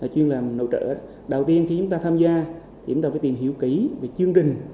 chuyên làm nội trợ đầu tiên khi chúng ta tham gia thì chúng ta phải tìm hiểu kỹ về chương trình